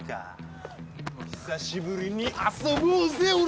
久しぶりに遊ぼうぜおら！